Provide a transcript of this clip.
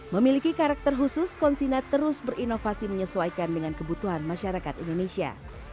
memiliki karakter khusus konsina terus berinovasi menyesuaikan dengan kebutuhan masyarakat indonesia